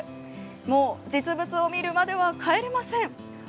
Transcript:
もう実物を見るまでは帰れません。